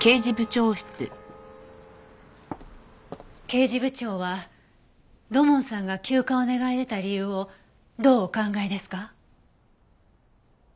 刑事部長は土門さんが休暇を願い出た理由をどうお考えですか？